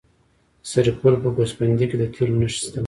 د سرپل په ګوسفندي کې د تیلو نښې شته.